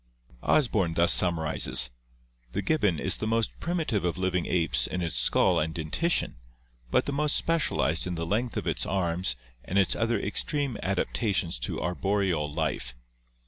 Osborn thus summarizes: "The gibbon is the most primitive of living apes in its skull and dentition, but the most specialized in the length of its arms and its other extreme adaptations to arboreal life.